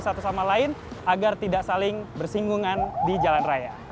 satu sama lain agar tidak saling bersinggungan di jalan raya